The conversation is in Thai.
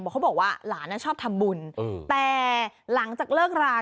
เขาบอกว่าหลานชอบทำบุญแต่หลังจากเลิกรา